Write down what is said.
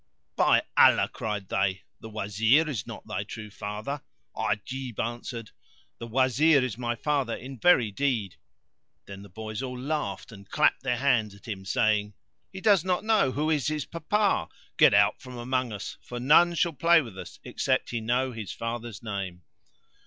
"By Allah," cried they, "the Wazir is not thy true father." Ajib answered, "The Wazir is my father in very deed." Then the boys all laughed and clapped their hands at him, saying "He does not know who is his papa: get out from among us, for none shall play with us except he know his father's name."